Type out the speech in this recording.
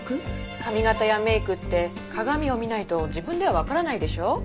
髪形やメイクって鏡を見ないと自分ではわからないでしょ。